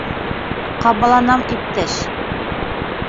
- Ҡабаланам, иптәш.